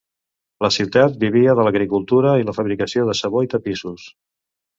La ciutat vivia de l'agricultura i la fabricació de sabó i tapissos.